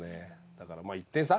だからまあ１点差。